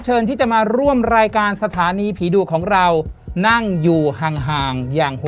เชิญที่จะมาร่วมรายการสถานีผีดุของเรานั่งอยู่ห่างห่างอย่างหัว